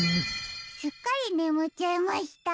すっかりねむっちゃいました。